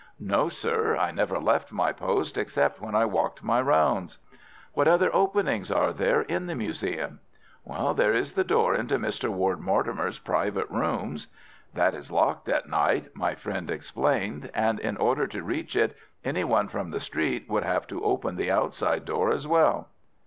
"No, sir; I never left my post except when I walked my rounds." "What other openings are there in the museum?" "There is the door into Mr. Ward Mortimer's private rooms." "That is locked at night," my friend explained, "and in order to reach it any one from the street would have to open the outside door as well."